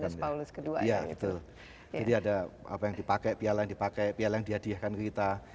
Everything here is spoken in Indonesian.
jadi ada apa yang dipakai piala yang dipakai piala yang dihadiahkan ke kita